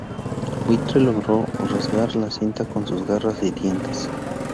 Buitre logró rasgar la cinta con sus garras y dientes.